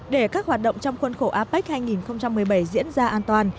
để các hoạt động trong khuôn khổ apec hai nghìn một mươi bảy diễn ra an toàn